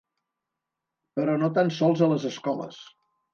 Però no tan sols a les escoles.